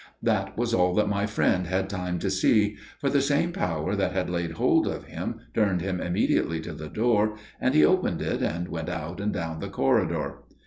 "That was all that my friend had time to see; for the same power that had laid hold of him turned him immediately to the door, and he opened it and went out and down the corridor.